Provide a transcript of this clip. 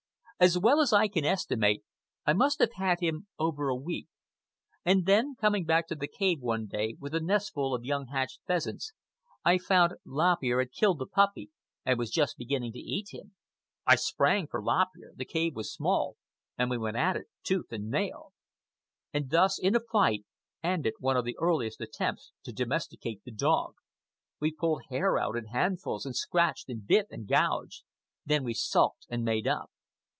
As well as I can estimate, I must have had him over a week. And then, coming back to the cave one day with a nestful of young hatched pheasants, I found Lop Ear had killed the puppy and was just beginning to eat him. I sprang for Lop Ear,—the cave was small,—and we went at it tooth and nail. And thus, in a fight, ended one of the earliest attempts to domesticate the dog. We pulled hair out in handfuls, and scratched and bit and gouged. Then we sulked and made up.